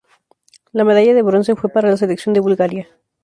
La medalla de bronce fue para la selección de Bulgaria.